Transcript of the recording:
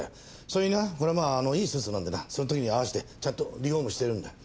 それになこれはまあいいスーツなんでなその時に合わせてちゃんとリフォームしてるんだ。